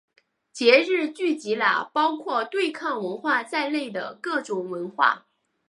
节日聚集了包括对抗文化在内的各种文化。